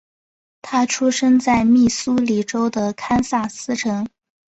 他出生在密苏里州的堪萨斯城。